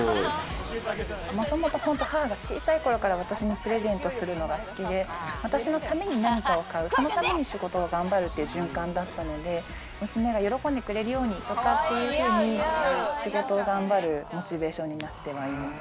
もともと、母が小さい頃から私にプレゼントすることが好きで、私のために何かを買う、そのために仕事を頑張るっていう循環だったので、娘が喜んでくれるように、仕事を頑張るモチベーションになってはいます。